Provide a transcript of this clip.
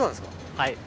はい。